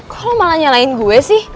kalo malah nyalain gue sih